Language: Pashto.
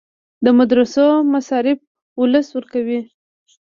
د مدرسو مصارف ولس ورکوي